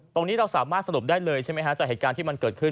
ตรงนี้เราสามารถสรุปได้เลยใช่ไหมฮะจากเหตุการณ์ที่มันเกิดขึ้น